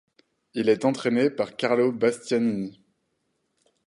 Il est entraîné par Carlo Bastianini.